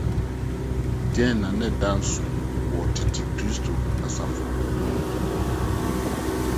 Dɛn na na ɛda nsow wɔ tete Kristofo asafo no ho?